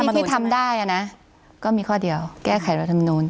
เรื่องที่ทำได้ก็มีข้อเดียวแก้ไขรัฐมนูล